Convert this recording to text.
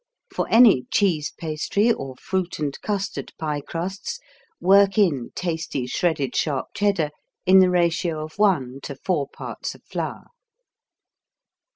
For any cheese pastry or fruit and custard pie crusts, work in tasty shredded sharp Cheddar in the ratio of 1 to 4 parts of flour.